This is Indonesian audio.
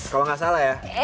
kalau gak salah ya